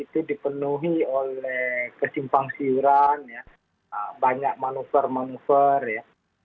itu dipenuhi oleh kesimpangsiuran banyak manuver manuver ya